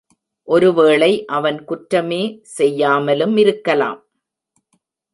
ஒருவேளை அவன் குற்றமே செய்யாமலு மிருக்கலாம்.